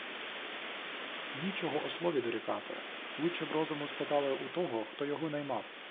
Нічого Ослові дорікати Лучче б розуму спитати У того, хто його наймав.